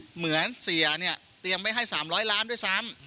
เหมือนเสียเนี่ยเตรียมไว้ให้๓๐๐ล้านด้วยซ้ำ